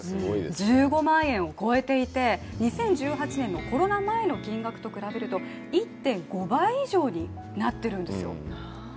１５万円を超えていて、２０１８年のコロナ前の金額と比べると１．５倍以上になっているんですよ。